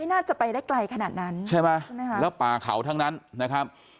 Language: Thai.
น่าจะไปได้ไกลขนาดนั้นใช่ไหมฮะแล้วป่าเขาทั้งนั้นนะครับ